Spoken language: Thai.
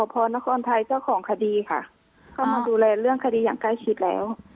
พอนครไทยเจ้าของคดีค่ะเข้ามาดูแลเรื่องคดีอย่างใกล้ชิดแล้ว